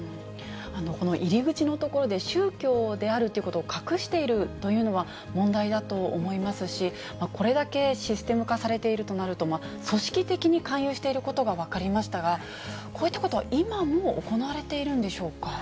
この入り口のところで、宗教であるということを隠しているというのは問題だと思いますし、これだけシステム化されているとなると、組織的に勧誘していることが分かりましたが、こういったことは今も行われているんでしょうか。